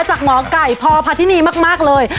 จากหมอไก่พพธินีมากเลย